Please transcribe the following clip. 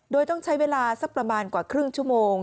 โดยต้องใช้เวลาสักประมาณกว่าครึ่งชั่วโมง